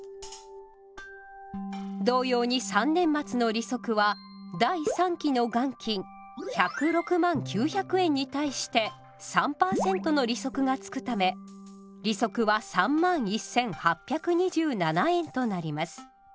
同様に３年末の利息は第３期の元金１０６万９００円に対して３％の利息が付くため利息は３万１，８２７円となります。